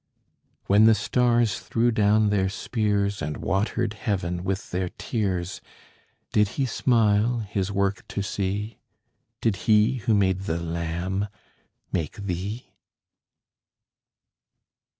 When the stars threw down their spears, And watered heaven with their tears, Did he smile his work to see? Did He who made the lamb make thee?